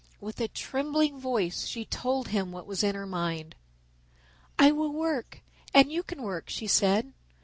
With a trembling voice she told him what was in her mind. "I will work and you can work," she said.